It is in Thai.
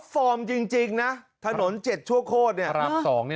ฟอร์มจริงนะถนนเจ็ดชั่วโคตรเนี่ย